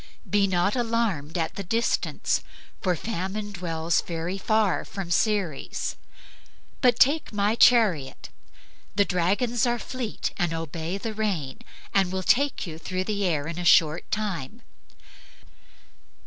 Be not alarmed at the distance" (for Famine dwells very far from Ceres), "but take my chariot. The dragons are fleet and obey the rein, and will take you through the air in a short time."